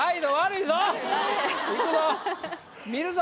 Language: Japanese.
いくぞ！